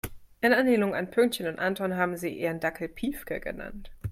In Anlehnung an Pünktchen und Anton haben sie ihren Dackel Piefke genannt.